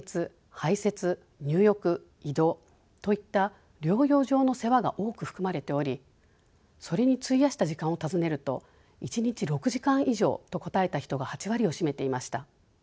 排せつ入浴移動といった療養上の世話が多く含まれておりそれに費やした時間を尋ねると１日６時間以上と答えた人が８割を占めていました。